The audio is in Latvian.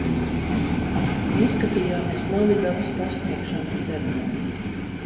Noskatījāmies Laligabas pasniegšanas ceremoniju.